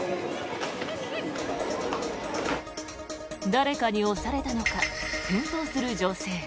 誰かに押されたのか転倒する女性。